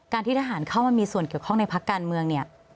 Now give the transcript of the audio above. ที่ทหารเข้ามามีส่วนเกี่ยวข้องในพักการเมืองเนี่ย